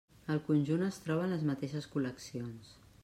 El conjunt es troba en les mateixes col·leccions.